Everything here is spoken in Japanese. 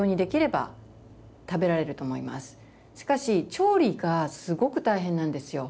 しかし調理がすごく大変なんですよ。